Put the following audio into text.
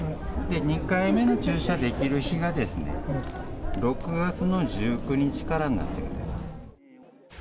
２回目の注射できる日がですね、６月の１９日からになってるんです。